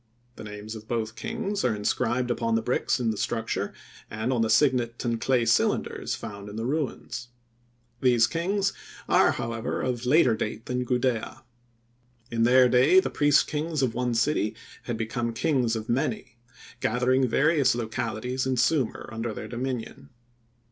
The names of both kings are inscribed upon the bricks in the structure, and on the signet and clay cylinders found in the ruins. These kings, are, however, of later date than Gudea. In their day the priest kings of one city had become kings of many, gathering various localities in Sumir under their dominion.